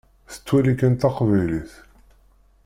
Tettwali kan taqbaylit.